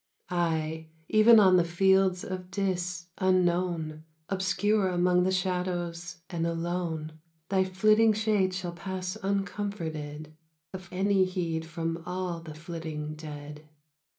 Ay! even on the fields of Dis unknown, Obscure among the shadows and alone, Thy flitting shade shall pass uncomforted Of any heed from all the flitting dead.